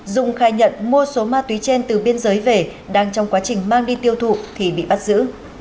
dung khai nhận mua số ma túy trên từ biên giới về đang trong quá trình mang đi tiêu thụ thì bị bắt giữ